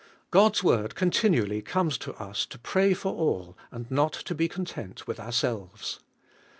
God's word continually comes to us to pray for all and not to be content with ourselves.